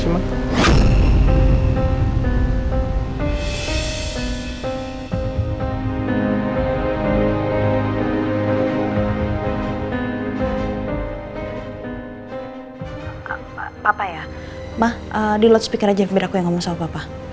ma di loudspeaker aja biar aku yang ngomong sama papa